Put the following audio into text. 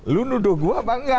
lu nuduh gue apa enggak